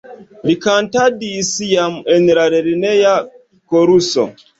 Li kantadis jam en la lerneja koruso.